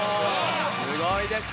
すごいです。